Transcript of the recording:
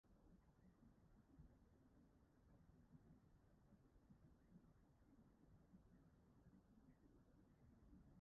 Mae sawl switsh lefel delwedd ar gael i nodi llwytho parseli wrth gychwyn delwedd.